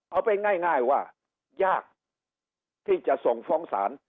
เอาไปง่ายว่ายากที่จะส่งฟ้องศาล